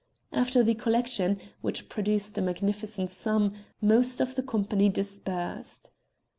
After the collection, which produced a magnificent sum, most of the company dispersed.